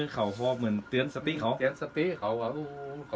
อย่าเกี่ยวสิกเยอะเลยเลยครับ